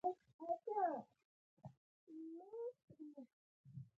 د هېڅ مذهب پیروي الزامي نه ګڼل کېده